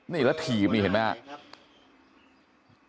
นี่ละทีมเห็นไหมครับ